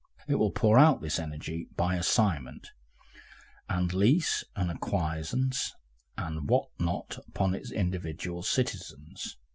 It will pour out this energy by assignment and lease and acquiescence and what not upon its individual citizens.